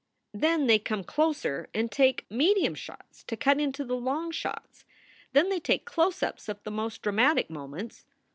Then they come closer and take medium shots to cut into the long shots. Then they take close ups of the most dramatic moments.